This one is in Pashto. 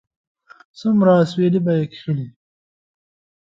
څومره اسويلي به یې کښلي وي